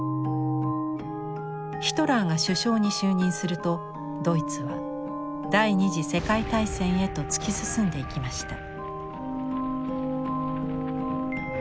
ヒトラーが首相に就任するとドイツは第２次世界大戦へと突き進んでいきました。